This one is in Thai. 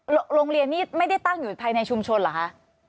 โรงเรียนนี้ไม่ได้ตั้งอยู่ภายในชุมชนเหรอคะ